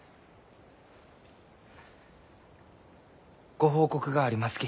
ご報告がありますき。